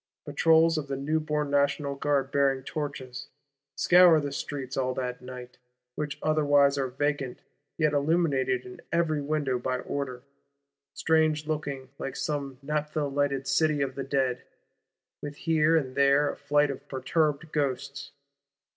—Patrols of the newborn National Guard, bearing torches, scour the streets, all that night; which otherwise are vacant, yet illuminated in every window by order. Strange looking; like some naphtha lighted City of the Dead, with here and there a flight of perturbed Ghosts.